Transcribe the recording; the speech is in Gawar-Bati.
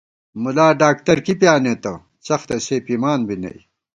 ملا ڈاکتر کی پیانېتہ ، څَختہ سے پِمان بی نئ